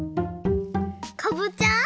かぼちゃ？